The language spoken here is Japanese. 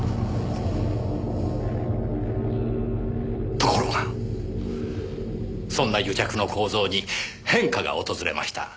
ところがそんな癒着の構造に変化が訪れました。